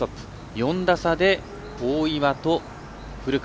４打差で大岩と古川。